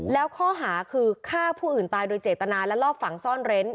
แล้วข้อหาคือฆ่าผู้อื่นตายโดยเจตนาและรอบฝังซ่อนเร้น